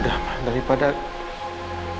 udah pak dari pada kita tangisin